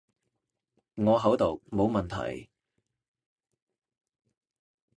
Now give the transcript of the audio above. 我口讀冇問題